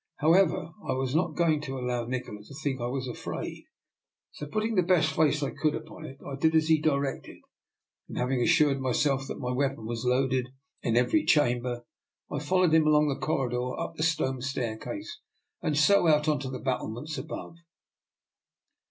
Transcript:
However, I was not going to al low Nikola to think I was afraid; so putting the best face I could upon it, I did as he di rected, and having assured myself that my weapon was loaded in every chamber, fol lowed him along the corridor, up the stone staircase, and so out on to the battlements above.